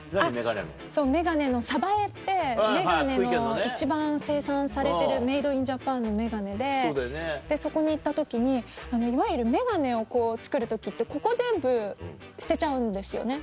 そう眼鏡の鯖江って一番生産されてるメード・イン・ジャパンの眼鏡ででそこに行った時にいわゆる眼鏡をこう作る時ってここ全部捨てちゃうんですよね。